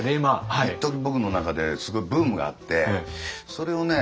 一時僕の中ですごいブームがあってそれをね